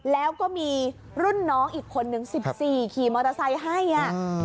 แล้วก็มีรุ่นน้องอีกคนนึง๑๔ขี่มอเตอร์ไซค์ให้อ่ะ